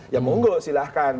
ya munggu silahkan